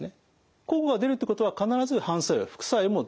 効果が出るってことは必ず反作用副作用も必ず出ます。